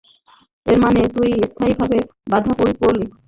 এর মানে তুই স্থায়ীভাবে বাঁধা পড়লি।